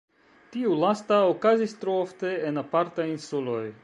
Tiu lasta okazis tro ofte en apartaj insuloj.